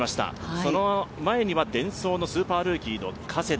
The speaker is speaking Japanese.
その前にはデンソーのスーパールーキーの加世田。